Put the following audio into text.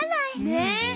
ねえ！